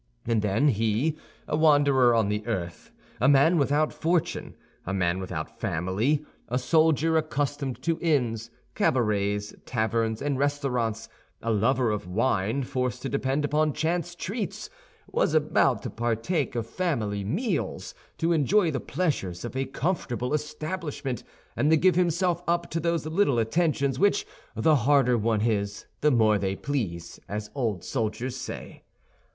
And then he—a wanderer on the earth, a man without fortune, a man without family, a soldier accustomed to inns, cabarets, taverns, and restaurants, a lover of wine forced to depend upon chance treats—was about to partake of family meals, to enjoy the pleasures of a comfortable establishment, and to give himself up to those little attentions which "the harder one is, the more they please," as old soldiers say.